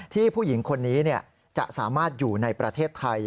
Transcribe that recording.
ผู้หญิงคนนี้จะสามารถอยู่ในประเทศไทย